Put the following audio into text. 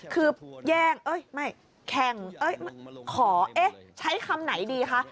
คือแย่งไม่แข่งขอเอ๊ะใช้คำไหนดีคะ